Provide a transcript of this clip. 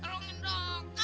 rungin dong kak